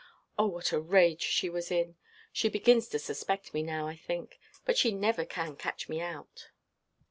Oh what a rage she was in! She begins to suspect me now, I think; but she never can catch me out."